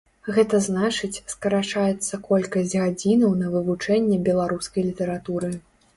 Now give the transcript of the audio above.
Гэта значыць, скарачаецца колькасць гадзінаў на вывучэнне беларускай літаратуры.